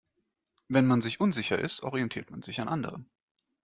Wenn man sich unsicher ist, orientiert man sich an anderen.